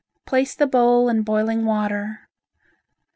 Place the bowl in boiling water.